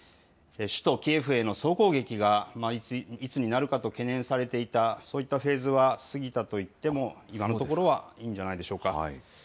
首都キエフへの総攻撃がいつになるかと懸念されていた、そういったフェーズは過ぎたと言っても、今のところはいいんじゃないでしょうか。